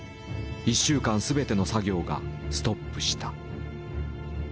１週間全ての作業がストップした。